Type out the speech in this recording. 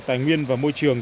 tài nguyên và môi trường